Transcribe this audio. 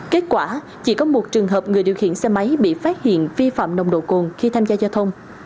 kết quả chỉ có một trường hợp người điều khiển xe máy bị phát hiện vi phạm nồng độ cồn khi tham gia giao thông